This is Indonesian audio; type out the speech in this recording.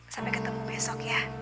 sampai ketemu besok ya